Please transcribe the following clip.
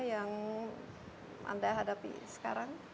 yang anda hadapi sekarang